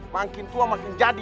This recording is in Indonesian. makin tua makin jadi